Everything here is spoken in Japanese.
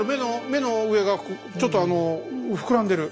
目の上がちょっと膨らんでる。